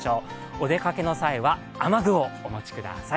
お出かけの際は雨具をお持ちください。